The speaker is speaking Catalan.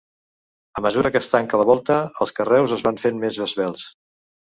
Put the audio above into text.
A mesura que es tanca la volta, els carreus es van fent més esvelts.